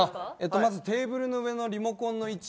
まずテーブルの上のリモコンの位置。